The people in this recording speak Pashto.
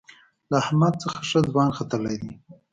له احمد څخه ښه ځوان ختلی دی.